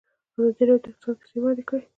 ازادي راډیو د اقتصاد کیسې وړاندې کړي.